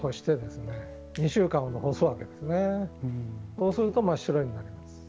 そうすると真っ白になります。